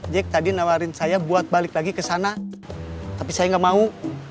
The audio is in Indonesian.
jack tadi nawarin saya buat balik lagi kesana tapi saya gak mau